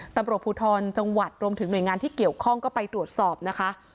ตำรวจภูทรจังหวัดรวมถึงหน่วยงานที่เกี่ยวข้องก็ไปตรวจสอบนะคะ